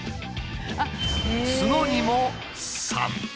角にも「３」。